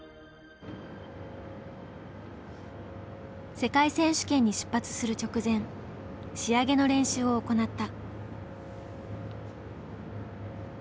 世界選手権に出発する直前仕上げの練習を行った。